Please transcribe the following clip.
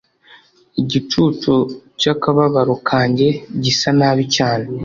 Igicucu cyakababaro kanjye gisa nabi cyane